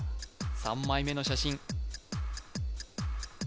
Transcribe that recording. ３枚目の写真